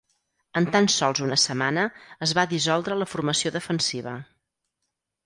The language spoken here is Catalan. En tan sols una setmana, es va dissoldre la formació defensiva.